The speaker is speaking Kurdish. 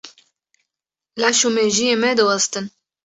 Laş û mejiyê me diwestin.